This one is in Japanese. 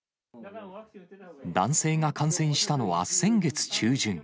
男性が感染したのは先月中旬。